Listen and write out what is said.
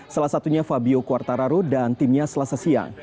salah satunya fabio quartararo dan timnya selasa siang